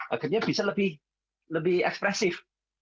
akhirnya bisa lebih ekspresif